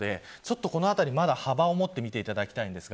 このあたり、まだ幅を持って見ていただきたいです。